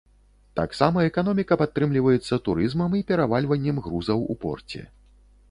Таксама эканоміка падтрымліваецца турызмам і перавальваннем грузаў у порце.